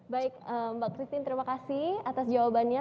baik mbak christine terima kasih atas jawabannya